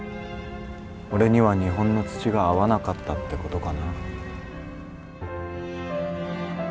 俺には日本の土が合わなかったってことかな。